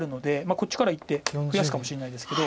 こっちからいって増やすかもしれないですけど。